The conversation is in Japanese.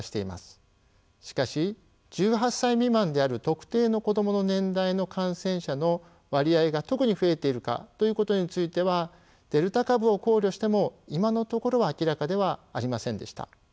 しかし１８歳未満である特定の子どもの年代の感染者の割合が特に増えているかということについてはデルタ株を考慮しても今のところは明らかではありませんでした。